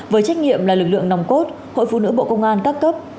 với trách nhiệm là lực lượng nòng cốt hội phu nước bộ công an các cấp